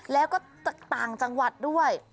แล้วก็จากต่างจังหวัดด้วย